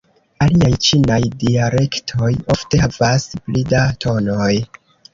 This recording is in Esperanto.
Aliaj ĉinaj dialektoj ofte havas pli da tonoj.